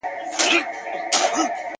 o پر ما خوښي لكه باران را اوري ـ